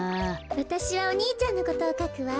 わたしはお兄ちゃんのことをかくわ。